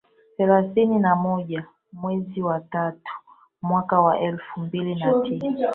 Thelathini na moja mwezi wa tatu mwaka waelfu mbili na tisa